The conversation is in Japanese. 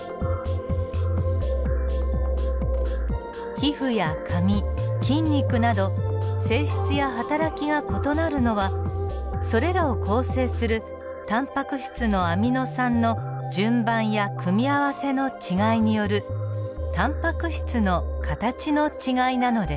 皮膚や髪筋肉など性質や働きが異なるのはそれらを構成するタンパク質のアミノ酸の順番や組み合せの違いによるタンパク質の形の違いなのです。